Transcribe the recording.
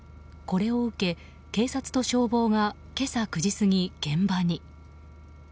これを受け警察と消防が今朝９時過ぎ、現場に。